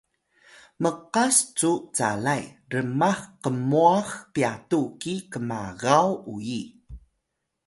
mqas cu calay rmax qmwax pyatu ki kmagaw uyi